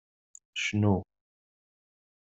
Cnu.